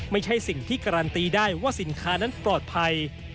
ไม่ใช่สิ่งที่การันตีได้ว่าสินค้านั้นปลอดภัย